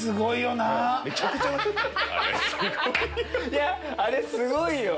いやあれすごいよ。